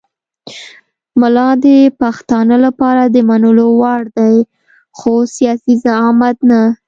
ملا د پښتانه لپاره د منلو وړ دی خو سیاسي زعامت نه.